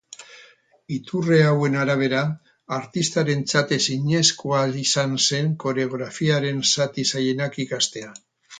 Iturri hauen arabera, artistarentzat ezinezkoa izan zen koreografiaren zati zailenak ikastea.